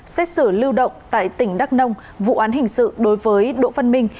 xét xử lưu động tại tỉnh đắk nông vụ án hình sự đối với đỗ văn minh